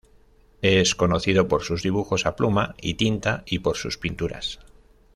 Es conocido por sus dibujos a pluma y tinta y por sus pinturas.